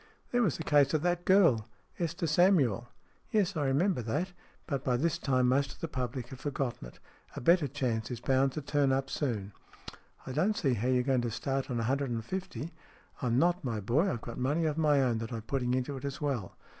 " There was the case of that girl Esther Samuel." " Yes, I remember that. But by this time most of the public have forgotten it. A better chance is bound to turn up soon." " I don't see how you're going to start on a hundred and fifty." " I'm not, my boy. I've got money of my own that I'm putting into it as well.'